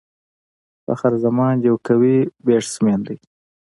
فخر زمان یو قوي بيټسمېن دئ.